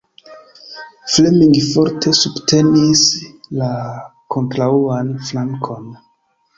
Fleming forte subtenis la kontraŭan flankon.